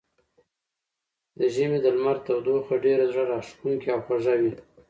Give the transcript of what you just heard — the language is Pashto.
د ژمي د لمر تودوخه ډېره زړه راښکونکې او خوږه وي.